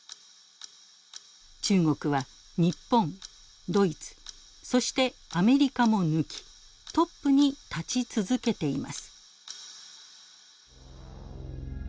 中国は日本ドイツそしてアメリカも抜きトップに立ち続けています。